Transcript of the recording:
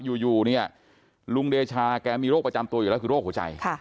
อยู่เนี่ยลุงเดชาแกมีโรคประจำตัวอยู่แล้วคือโรคหัวใจ